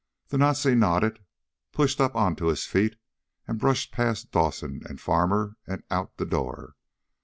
The Nazi nodded, pushed up onto his feet and brushed past Dawson and Farmer and out the door.